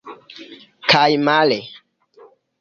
Kaj male.